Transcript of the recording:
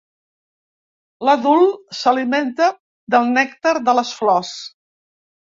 L’adult s’alimenta del nèctar de les flors.